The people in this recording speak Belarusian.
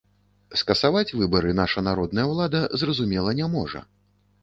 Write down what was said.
Скасаваць выбары наша народная улада, зразумела, не можа.